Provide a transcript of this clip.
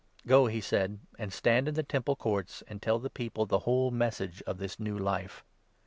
"Go," he said, "and stand in the Temple Courts, and tell 20 the people the whole Message of this new Life."